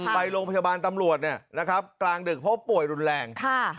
ไปโรงพยาบาลตำรวจกลางดึกเพราะป่วยรุนแรง